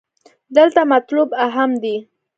دلته مطلوب اهم دې.